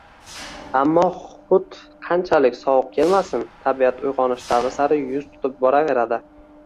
Ammo hut qanchalik sovuq kelmasin, tabiat uygʻonish davri sari yuz tutib boraveradi.